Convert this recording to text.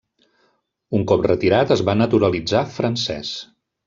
Un cop retirat, es va naturalitzar francès.